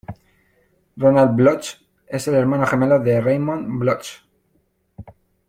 Ronald Bloch es el hermano gemelo de Raymond Bloch.